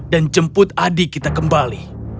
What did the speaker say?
dan jemput adik kita kembali